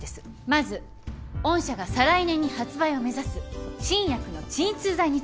まず御社が再来年に発売を目指す新薬の鎮痛剤についてです。